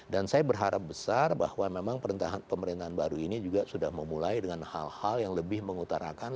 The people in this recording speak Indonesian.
dan saya berharap besar bahwa memang pemerintahan baru ini juga sudah memulai dengan hal hal yang lebih mengutarakan